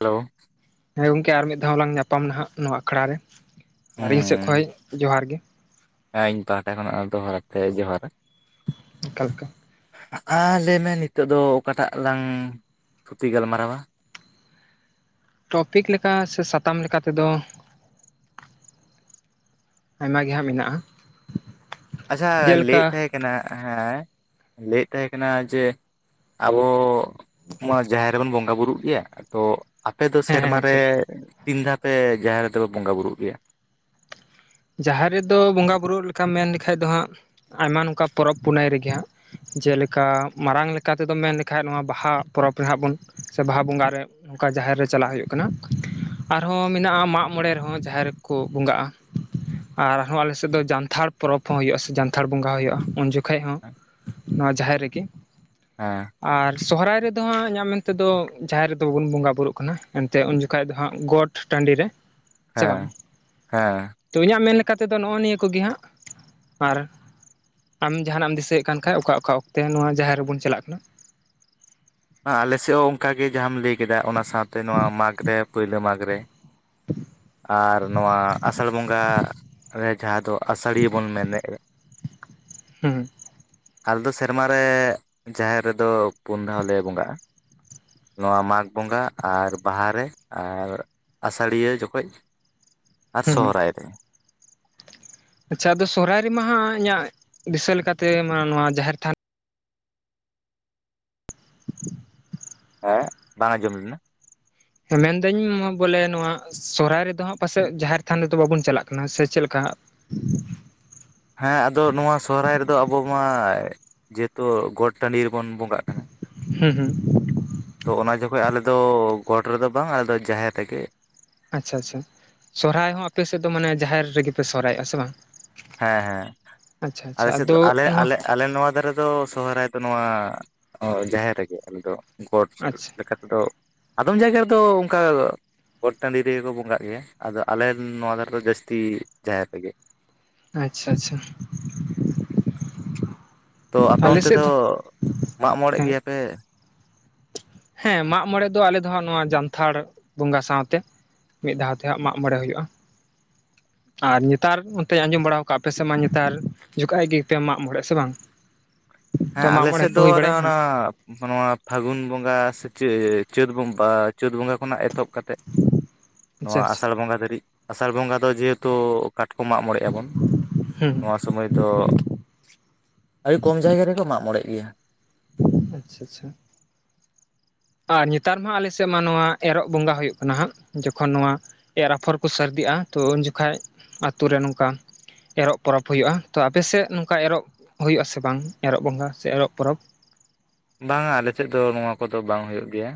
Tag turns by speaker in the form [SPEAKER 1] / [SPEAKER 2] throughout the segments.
[SPEAKER 1] Hello
[SPEAKER 2] ᱦᱮᱸ ᱜᱚᱝᱠᱮ ᱟᱨ ᱢᱤᱫ ᱫᱷᱟᱣᱞᱟᱝ ᱧᱟᱯᱟᱢ ᱱᱟᱦᱟᱜ ᱱᱚᱣᱟ ᱟᱠᱷᱲᱟ ᱨᱮ ᱟᱨ ᱤᱧ ᱥᱮᱫ ᱠᱷᱚᱱ ᱡᱚᱦᱟᱨ ᱜᱮ,
[SPEAKER 1] ᱦᱮᱸ ᱤᱧ ᱯᱟᱦᱴᱟ ᱠᱷᱚᱱᱟᱜ ᱫᱚᱦᱟᱲᱟ ᱛᱮ ᱡᱚᱦᱟᱨ,
[SPEAKER 2] ᱮᱠᱟᱞ [unintelligible]
[SPEAKER 1] ᱟᱨ ᱞᱟᱹᱭᱢᱮ ᱱᱤᱛᱚᱜ ᱫᱚ ᱚᱠᱟᱴᱟᱜ ᱞᱟᱝ ᱛᱩᱛᱷᱤ ᱜᱟᱞᱢᱟᱨᱟᱣᱟ?
[SPEAKER 2] ᱴᱚᱯᱤᱠ ᱞᱮᱠᱟ ᱥᱮ ᱥᱟᱛᱟᱢ ᱞᱮᱠᱟ ᱛᱮᱫᱚ ᱟᱭᱢᱟ ᱜᱮ ᱦᱟᱸᱜ ᱢᱮᱱᱟᱜᱼᱟ,
[SPEAKER 1] ᱟᱪᱪᱷᱟ
[SPEAKER 2] ᱡᱮᱞᱮᱠᱟ
[SPEAKER 1] ᱞᱟᱹᱭᱮᱫ ᱛᱟᱦᱮᱸ ᱠᱟᱱᱟ ᱦᱮᱸ ᱞᱟᱹᱭᱮᱫ ᱛᱟᱦᱮᱸ ᱠᱟᱱᱟ ᱡᱮ ᱟᱵᱚ ᱢᱟ ᱡᱟᱦᱮᱨ ᱨᱮᱵᱚᱱ ᱵᱚᱸᱜᱟ ᱵᱩᱨᱩᱜ ᱜᱮᱭᱟ ᱛᱚ ᱟᱯᱮ ᱫᱚ
[SPEAKER 2] ᱦᱮᱸ ᱦᱮᱸ
[SPEAKER 1] ᱥᱮᱨᱢᱟᱨ
[SPEAKER 2] ᱟᱪᱪᱷᱟ
[SPEAKER 1] ᱨᱮ
[SPEAKER 2] ᱟᱪᱪᱷᱟ
[SPEAKER 1] ᱛᱤᱱ ᱫᱷᱟᱣᱯᱮ ᱡᱟᱦᱮᱨ ᱨᱮᱫᱚᱯᱮ ᱵᱚᱸᱜᱟ ᱵᱩᱨᱩᱜ ᱜᱮᱭᱟ?
[SPEAKER 2] ᱡᱟᱦᱮᱨ ᱨᱮᱫᱚ ᱵᱚᱸᱜᱟ ᱵᱩᱨᱩᱜ ᱞᱮᱠᱟ ᱢᱮᱱ ᱞᱮᱠᱷᱟᱡ ᱫᱚ ᱦᱟᱸᱜ ᱟᱭᱢᱟ ᱱᱚᱝᱠᱟ ᱯᱚᱨᱚᱵᱽ ᱯᱩᱱᱟᱹᱭ ᱨᱮᱜᱮ ᱦᱟᱸᱜ, ᱡᱮᱞᱮᱠᱟ ᱢᱟᱨᱟᱝ ᱞᱮᱠᱟᱛᱮᱫᱚ ᱢᱮᱱ ᱞᱮᱠᱷᱟᱡ ᱱᱚᱣᱟ ᱵᱟᱦᱟ ᱯᱚᱨᱚᱵᱽ ᱨᱮᱦᱟᱸᱜ ᱵᱚᱱ ᱥᱮ ᱵᱟᱦᱟ ᱵᱚᱸᱜᱟᱨᱮ, ᱚᱱᱠᱟ ᱡᱟᱦᱮᱨ ᱨᱮ ᱪᱟᱞᱟᱜ ᱦᱩᱭᱩᱜ ᱠᱟᱱᱟ ᱟᱨᱦᱚᱸ ᱢᱮᱱᱟᱜᱼᱟ ᱢᱟᱜ ᱢᱚᱬᱮ ᱨᱮᱦᱚᱸ ᱡᱟᱦᱮᱨ ᱨᱮ ᱠᱚ ᱵᱚᱸᱜᱟᱜᱼᱟ, ᱟᱨᱦᱚᱸ ᱟᱞᱮᱥᱮᱫ ᱫᱚ ᱡᱟᱱᱛᱷᱟᱲ ᱯᱚᱨᱚᱵᱽ ᱦᱚᱸ ᱦᱩᱭᱩᱜᱼᱟ ᱥᱮ ᱡᱟᱱᱛᱷᱟᱲ ᱵᱚᱸᱜᱟ ᱦᱩᱭᱩᱜᱼᱟ ᱩᱱ ᱡᱚᱠᱷᱚᱱ ᱠᱷᱟᱹᱡ ᱦᱚᱸ ᱱᱚᱣᱟ ᱡᱟᱦᱮᱨ ᱨᱮᱜᱮ
[SPEAKER 1] ᱦᱮᱸ
[SPEAKER 2] ᱟᱨ ᱥᱚᱦᱚᱨᱟᱭ ᱨᱮᱫᱚ ᱦᱟᱸᱜ ᱤᱧᱟᱹᱜ ᱢᱮᱱᱛᱮ ᱫᱚ ᱡᱟᱦᱮᱨ ᱨᱮᱫᱚ ᱵᱟᱵᱚᱱ ᱵᱚᱸᱜᱟ ᱵᱩᱨᱩᱜ ᱠᱟᱱᱟ ᱮᱱᱛᱮᱫ ᱩᱱ ᱡᱚᱠᱷᱟᱹᱡ ᱫᱚ ᱦᱟᱸᱜ ᱜᱚᱴ ᱴᱟᱺᱰᱤ ᱨᱮ ᱥᱮ
[SPEAKER 1] ᱦᱮᱸ
[SPEAKER 2] ᱵᱟᱝ
[SPEAKER 1] ᱦᱮᱸ
[SPEAKER 2] ᱛᱚ ᱤᱧᱟᱹᱜ ᱢᱮᱱ ᱞᱮᱠᱟ ᱛᱮᱫᱚ ᱱᱚᱜᱼᱚ ᱱᱤᱭᱟᱹ ᱠᱚᱜᱮ ᱦᱟᱸᱜ ᱟᱨ ᱟᱢ ᱡᱟᱦᱟᱸᱱᱟᱜ ᱮᱢ ᱫᱤᱥᱟᱹᱭᱮᱫ ᱠᱟᱱ ᱠᱷᱟ ᱚᱠᱟ ᱚᱠᱟ ᱚᱠᱛᱮ ᱱᱚᱣᱟ ᱡᱟᱦᱮᱨ ᱨᱮᱵᱚᱱ ᱪᱟᱞᱟᱜ ᱠᱟᱱᱟ,
[SPEAKER 1] ᱟᱞᱮ ᱥᱮᱫ ᱦᱚᱸ ᱚᱱᱠᱟᱜ ᱜᱮ ᱡᱟᱦᱟᱸᱟᱢ ᱞᱟᱹᱭ ᱠᱮᱫᱟ ᱚᱱᱟ ᱥᱟᱶᱛᱮ ᱱᱚᱣᱟ ᱢᱟᱜᱽ ᱨᱮ ᱯᱳᱭᱞᱳ ᱢᱟᱜᱽ ᱨᱮ ᱟᱨ ᱱᱚᱣᱟ ᱟᱥᱟᱲ ᱵᱚᱸᱜᱟ ᱨᱮ ᱡᱟᱦᱟᱸ ᱫᱚ ᱟᱥᱟᱲᱤᱭᱟᱹ ᱵᱚᱱ ᱢᱮᱱᱮᱫᱼᱟ
[SPEAKER 2] ᱦᱮᱸ
[SPEAKER 1] ᱟᱞᱮ ᱫᱚ ᱥᱮᱨᱢᱟ ᱨᱮ ᱡᱟᱦᱮᱨ ᱨᱮᱫᱚ ᱯᱩᱱ ᱫᱷᱟᱣ ᱞᱮ ᱵᱚᱸᱜᱟᱜᱼᱟ ᱱᱚᱣᱟ ᱢᱟᱜᱽ ᱵᱚᱸᱜᱟ ᱟᱨ ᱵᱟᱦᱟᱨᱮ ᱟᱨ ᱟᱥᱟᱲᱤᱭᱟᱹ ᱡᱚᱠᱷᱚᱡ ᱟᱨ
[SPEAKER 2] ᱦᱩᱸ
[SPEAKER 1] ᱥᱚᱦᱨᱟᱭ ᱨᱮ
[SPEAKER 2] ᱟᱪᱪᱷᱟ ᱟᱫᱚ ᱥᱚᱦᱨᱟᱭ ᱨᱮ ᱢᱟᱦᱟᱸᱜ ᱤᱧᱟᱹᱜ ᱫᱤᱥᱟᱹ ᱞᱮᱠᱟᱛᱮ ᱱᱚᱣᱟ ᱡᱟᱦᱮᱨ ᱛᱷᱟᱱ
[SPEAKER 1] ᱮᱸ ᱵᱟᱝ ᱟᱸᱡᱚᱢ ᱞᱮᱱᱟ
[SPEAKER 2] ᱮᱸ ᱢᱮᱱᱫᱟᱹᱧ ᱵᱚᱞᱮ ᱱᱚᱣᱟ ᱥᱚᱦᱚᱨᱟᱭ ᱨᱮᱫᱚ ᱦᱟᱸᱜ ᱯᱟᱥᱮᱫ ᱡᱟᱦᱮᱨ ᱛᱷᱟᱱ ᱨᱮᱫᱚ ᱵᱟᱵᱚᱱ ᱪᱟᱞᱟᱜ ᱠᱟᱱᱟ ᱥᱮ ᱪᱮᱫ ᱞᱮᱠᱟ
[SPEAKER 1] ᱦᱮᱸ ᱟᱫᱚ ᱱᱚᱣᱟ ᱥᱚᱦᱚᱨᱟᱭ ᱨᱮᱫᱚ ᱟᱵᱚ ᱢᱟ ᱡᱮᱦᱮᱛᱩ ᱜᱚᱴ ᱴᱟᱺᱰᱤ ᱨᱮᱵᱚᱱ ᱵᱚᱸ ᱵᱚᱸᱜᱟᱜ ᱠᱟᱱᱟ
[SPEAKER 2] ᱦᱩᱸ ᱦᱩᱸ
[SPEAKER 1] ᱛᱚ ᱚᱱᱟ ᱡᱚᱠᱷᱚᱱ ᱟᱞᱮᱫᱚ ᱜᱚᱴ ᱨᱮᱫᱚ ᱵᱟᱝ ᱟᱞᱮ ᱫᱚ ᱡᱟᱦᱮᱨ ᱨᱮᱜᱮ
[SPEAKER 2] ᱟᱪᱪᱷᱟ ᱟᱪᱪᱷᱟ ᱥᱚᱦᱨᱟᱭ ᱦᱚᱸ ᱟᱯᱮ ᱥᱮᱫ ᱫᱚ ᱢᱟᱱᱮ ᱡᱟᱦᱮᱨ ᱨᱮᱜᱮ ᱯᱮ ᱥᱚᱦᱨᱟᱭᱚᱜᱼᱟ ᱥᱮ ᱵᱟᱝ,
[SPEAKER 1] ᱦᱮᱸ ᱦᱮᱸ
[SPEAKER 2] ᱟᱪᱪᱷᱟ ᱟᱪᱪᱷᱟ
[SPEAKER 1] ᱟᱞᱮ ᱥᱮᱫ
[SPEAKER 2] ᱟᱫᱚ
[SPEAKER 1] ᱟᱞᱮ
[SPEAKER 2] ᱱᱚᱣᱟ
[SPEAKER 1] ᱟᱞᱮ ᱟᱞᱮ ᱱᱚᱣᱟ ᱫᱷᱟᱨᱮ ᱫᱚ ᱥᱚᱦᱨᱟᱭ ᱫᱚ ᱱᱚᱣᱟ ᱡᱟᱦᱮᱨ ᱨᱮᱜᱮ ᱟᱞᱮᱫᱚ ᱜᱚᱴ
[SPEAKER 2] ᱟᱪᱪᱷᱟ
[SPEAKER 1] ᱟᱫᱚ ᱟᱫᱚᱢ ᱡᱟᱭᱜᱟ ᱨᱮᱫᱚ ᱚᱱᱠᱟ ᱜᱚᱴ ᱴᱟᱺᱰᱤ ᱨᱮᱜᱮ ᱠᱚ ᱵᱚᱸᱜᱟᱜ ᱜᱮᱭᱟ ᱟᱫᱚ ᱟᱞᱮ ᱱᱚᱣᱟ ᱫᱷᱟᱨᱮ ᱫᱚ ᱡᱟᱹᱥᱛᱤ ᱡᱟᱦᱮᱨ ᱨᱮᱜᱮ
[SPEAKER 2] ᱟᱪᱪᱷᱟ ᱟᱪᱪᱷᱟ
[SPEAKER 1] ᱛᱚ ᱟᱯᱮ
[SPEAKER 2] ᱟᱞᱮ
[SPEAKER 1] ᱚᱱᱛᱮ
[SPEAKER 2] ᱥᱮᱫ
[SPEAKER 1] ᱫᱚ ᱢᱟᱜ ᱢᱚᱬᱮᱜ
[SPEAKER 2] ᱦᱮᱸ
[SPEAKER 1] ᱜᱮᱭᱟ ᱯᱮ
[SPEAKER 2] ᱦᱮᱸ ᱢᱟᱜ ᱢᱚᱬᱮ ᱫᱚ ᱟᱞᱮ ᱫᱚᱦᱟᱸᱜ ᱱᱚᱣᱟ ᱡᱟᱱᱛᱷᱟᱲ ᱵᱚᱸᱜᱟ ᱥᱟᱶᱛᱮ ᱢᱤᱫ ᱫᱷᱟᱣ ᱛᱮ ᱦᱟᱸᱜ ᱢᱟᱜ ᱢᱚᱬᱮ ᱦᱩᱭᱩᱜᱼᱟ ᱟᱨ ᱱᱮᱛᱟᱨ ᱚᱱᱛᱮ ᱟᱸᱡᱚᱢ ᱵᱟᱲᱟ ᱠᱟᱜᱼᱟ ᱟᱯᱮᱥᱮᱫ ᱢᱟ ᱱᱮᱛᱟᱨ ᱡᱚᱠᱷᱟᱡ ᱜᱮᱯᱮ ᱢᱟᱜ ᱢᱚᱬᱮᱜᱼᱟ ᱥᱮ ᱵᱟᱝ? [inaudible]
[SPEAKER 1] ᱦᱮᱸ
[SPEAKER 2] ᱢᱟᱜ
[SPEAKER 1] ᱟᱞᱮ
[SPEAKER 2] ᱢᱚᱬᱮ
[SPEAKER 1] ᱥᱮᱫ
[SPEAKER 2] ᱠᱚ
[SPEAKER 1] ᱫᱚ
[SPEAKER 2] ᱦᱩᱭ
[SPEAKER 1] ᱚᱱᱮ
[SPEAKER 2] ᱵᱟᱲᱟᱭᱮᱱᱟ
[SPEAKER 1] ᱚᱱᱟ
[SPEAKER 2] ᱦᱟᱸᱜ
[SPEAKER 1] ᱱᱚᱣᱟ ᱯᱷᱟᱹᱜᱩᱱ ᱵᱚᱸᱜᱟ ᱥᱮ ᱪᱟᱹᱛ ᱵᱚᱸᱜᱟ ᱪᱟᱹᱛ ᱵᱚᱸᱜᱟ ᱠᱷᱚᱱᱟᱜ ᱮᱛᱚᱦᱚᱵ ᱠᱟᱛᱮᱫ
[SPEAKER 2] [inaudible] ᱟᱪᱪᱷᱟ
[SPEAKER 1] ᱱᱚᱣᱟ
[SPEAKER 2] ᱟᱪᱪᱷᱟ
[SPEAKER 1] ᱟᱥᱟᱲ ᱵᱚᱸᱜᱟ ᱫᱷᱟᱹᱨᱤᱡ ᱟᱥᱟᱲ ᱵᱚᱸᱜᱟ ᱫᱚ ᱡᱮᱦᱮᱛᱩ ᱠᱟᱴᱠᱚᱢ ᱢᱟᱜ ᱢᱚᱬᱮᱜ ᱟᱵᱚᱱ
[SPEAKER 2] ᱦᱩᱸ
[SPEAKER 1] ᱱᱚᱣᱟ ᱥᱚᱢᱚᱭ ᱫᱚ ᱟᱹᱰᱤ ᱠᱚᱢ ᱡᱟᱭᱜᱟ ᱨᱮᱠᱚ ᱢᱟᱜ ᱢᱚᱬᱮᱜ ᱜᱮᱭᱟ
[SPEAKER 2] ᱟᱪᱪᱷᱟ ᱟᱪᱪᱷᱟ ᱟᱨ ᱱᱮᱛᱟᱨ ᱢᱟ ᱟᱞᱮ ᱥᱮᱫ ᱢᱟ ᱱᱚᱣᱟ ᱮᱨᱚᱜ ᱵᱚᱸᱜᱟ ᱦᱩᱭᱩᱜ ᱠᱟᱱᱟ ᱦᱟᱸᱜ ᱡᱚᱠᱷᱚᱱ ᱱᱚᱣᱟ ᱮᱨ ᱟᱯᱷᱚᱨ ᱠᱚ ᱥᱟᱹᱨᱫᱤᱜᱼᱟ ᱛᱳ ᱩᱱ ᱡᱚᱠᱷᱟ ᱟᱹᱛᱳ ᱨᱮ ᱱᱚᱝᱠᱟ ᱮᱨᱚᱜ ᱯᱚᱨᱚᱵᱽ ᱦᱩᱭᱩᱜᱼᱟ ᱛᱚ ᱟᱯᱮᱥᱮᱫ ᱱᱚᱝᱠᱟ ᱮᱨᱚᱜ ᱦᱩᱭᱩᱜᱼᱟ ᱥᱮ ᱵᱟᱝ ᱮᱨᱚᱜ ᱵᱚᱸᱜᱟ ᱥᱮ ᱮᱨᱚᱜ ᱯᱚᱨᱚᱵᱽ
[SPEAKER 1] ᱵᱟᱝᱟ ᱟᱞᱮᱥᱮᱫ ᱫᱚ ᱱᱚᱣᱟ ᱠᱚᱫᱚ ᱵᱟᱝ ᱦᱩᱭᱩᱜ ᱜᱮᱭᱟ